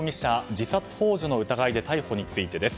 自殺幇助の疑いで逮捕についてです。